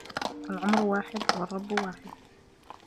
العمر واحد والرب واحد